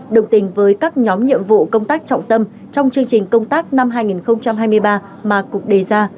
đồng tình với các nhóm nhiệm vụ công tác trọng tâm trong chương trình công tác năm hai nghìn hai mươi ba mà cục đề ra